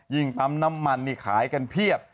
ปั๊มน้ำมันนี่ขายกันเพียบ